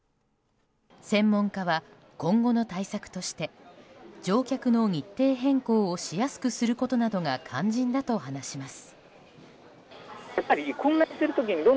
専門家は今後の対策として乗客の日程変更をしやすくすることなどが肝心だと話します。